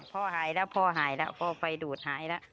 พ่อหายแล้วพ่อหายแล้วพ่อไฟดูดหายแล้ว